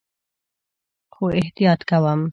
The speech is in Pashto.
خو احتیاط کوم